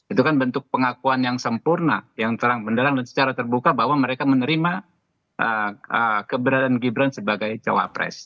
itu kan bentuk pengakuan yang sempurna yang terang benderang dan secara terbuka bahwa mereka menerima keberadaan gibran sebagai cawapres